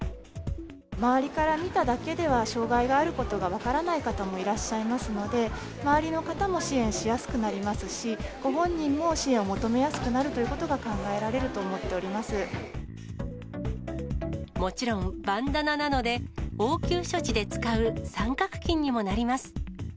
周りから見ただけでは、障がいがあることが分からない方もいらっしゃいますので、周りの方も支援しやすくなりますし、ご本人も支援を求めやすくなるということが考えられると思っておもちろんバンダナなので、応急処置で使う三角巾にもなります。